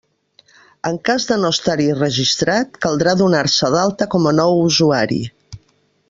En cas de no estar-hi registrat, caldrà donar-se d'alta com a nou usuari.